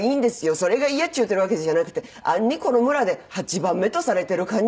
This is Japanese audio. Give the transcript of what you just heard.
それがイヤっちゅうてるわけじゃなくて暗にこの村で８番目とされてる感じ